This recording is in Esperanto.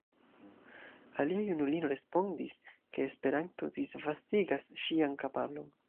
Alia junulino respondis, ke Esperanto disvastigas ŝian kapablon.